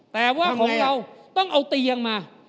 แต่ว่าต้องเอาเตียงมา